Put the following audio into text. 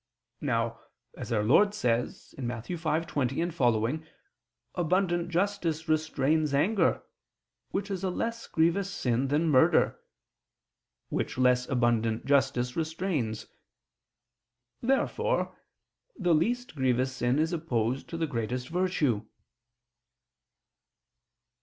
Now, as Our Lord says (Matt. 5:20, seqq.) abundant justice restrains anger, which is a less grievous sin than murder, which less abundant justice restrains. Therefore the least grievous sin is opposed to the greatest virtue.